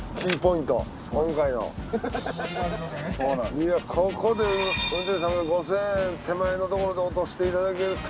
いやここで運転手さんが５，０００円手前のところで落としていただけると。